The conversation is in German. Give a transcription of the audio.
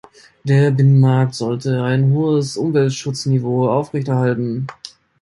Der Binnenmarkt sollte ein hohes Umweltschutzniveau aufrechterhalten.